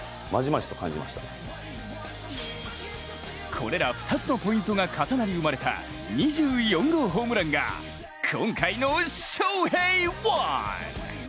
これら２つのポイントが重なり生まれた２４号ホームランが今回の「ＳＨＯＨＥＩ☆１」。